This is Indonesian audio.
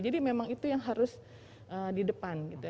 jadi memang itu yang harus di depan gitu